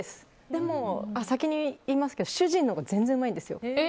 でも先に言いますけど主人のほうが全然うまいんですよ。